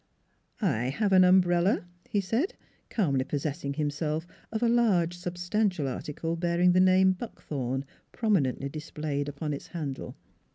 " I have an umbrella," he said, calmly possess ing himself of a large, substantial article bearing the name Buckthorn prominently displayed upon its handle.